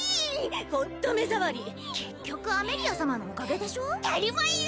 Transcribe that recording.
ホント目障り結局アメリア様のおかげでしょったり前よ！